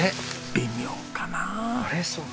微妙かな。